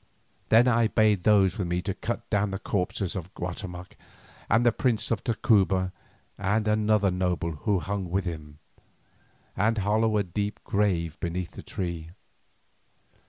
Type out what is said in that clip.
Then I bade those with me to cut down the corpses of Guatemoc and of the prince of Tacuba and another noble who hung with him, and hollow a deep grave beneath the tree.